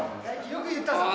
よく言ったぞ。